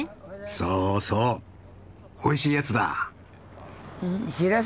そうそうおいしいやつだ！